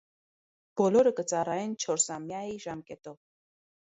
Բոլորը կը ծառայեն չորսամեայ ժամկէտով։